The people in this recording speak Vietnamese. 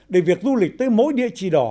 để việc du lịch tới mỗi địa chỉ đỏ